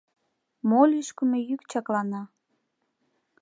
— Мо лӱшкымӧ йӱк чаклана?